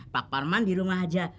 pak parman di rumah aja